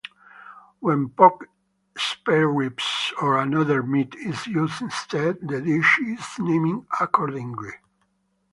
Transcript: When pork spareribs or another meat is used instead, the dish is named accordingly.